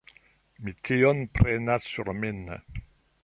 Mi tion prenas sur min.